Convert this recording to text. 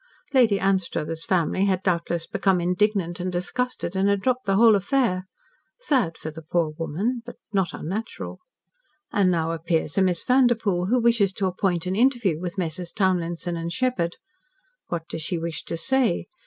Lady Anstruthers' family had doubtless become indignant and disgusted, and had dropped the whole affair. Sad for the poor woman, but not unnatural. And now appears a Miss Vanderpoel, who wishes to appoint an interview with Messrs. Townlinson & Sheppard. What does she wish to say?